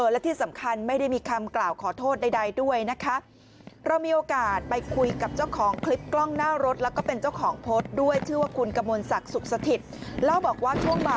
และที่สำคัญไม่ได้มีคำกล่าวขอโทษใดด้วยนะคะ